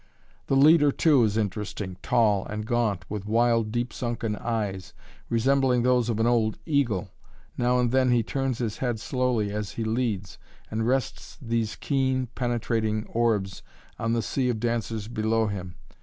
The leader, too, is interesting tall and gaunt, with wild, deep sunken eyes resembling those of an old eagle. Now and then he turns his head slowly as he leads, and rests these keen, penetrating orbs on the sea of dancers below him.